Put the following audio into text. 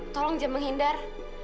tolong jangan menghindar